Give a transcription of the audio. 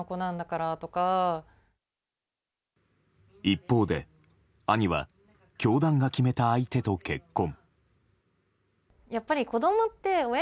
一方で、兄は教団が決めた相手と結婚。